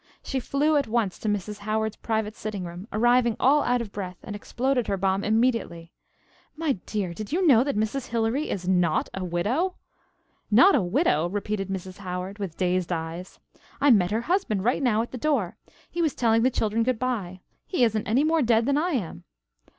She flew at once to Mrs. Howard's private sitting room, arriving all out of breath and exploded her bomb immediately. "My dear, did you know that Mrs. Hilary is not a widow?" "Not a widow!" repeated Mrs. Howard with dazed eyes. "I met her husband right now at the door. He was telling the children good by. He isn't any more dead than I am."